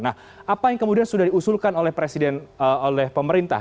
nah apa yang kemudian sudah diusulkan oleh pemerintah